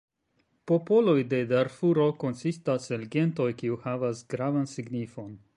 Popoloj de Darfuro konsistas el gentoj, kiuj havas gravan signifon.